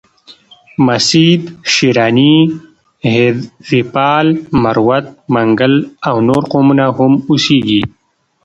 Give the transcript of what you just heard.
مسید، شیراني، هیریپال، مروت، منگل او نور قومونه هم اوسیږي.